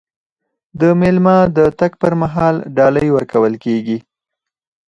د میلمه د تګ پر مهال ډالۍ ورکول کیږي.